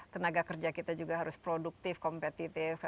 tenaga kerja kita juga harus produktif kompetitif